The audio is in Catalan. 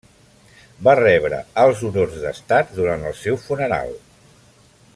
Va rebre alts honors d'estat durant el seu funeral.